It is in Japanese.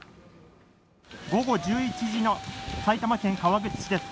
午後１１時の埼玉県川口市です